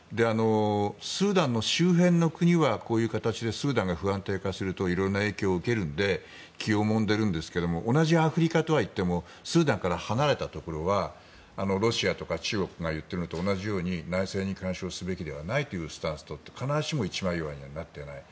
スーダンの周辺の国はこういう形でスーダンが不安定化すると色んな影響を受けるので気をもんでるんですが同じアフリカとはいってもスーダンから離れたところはロシアとか中国が言っているのと同じように内政に干渉すべきではないというスタンスを取って必ずしも一枚岩にはなっていない。